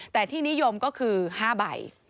แต่ที่นิยมก็คือ๕ใบ